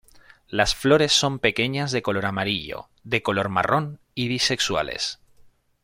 Las flores son pequeñas de color amarillo, de color marrón y bisexuales.